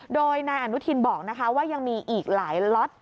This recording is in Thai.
โดยนายอนุทินบอกว่ายังมีอีกหลายล็อต